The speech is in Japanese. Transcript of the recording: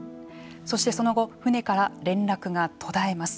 そして、その後、船から連絡が途絶えます。